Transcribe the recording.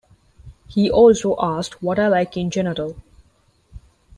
He also asked what I like in general.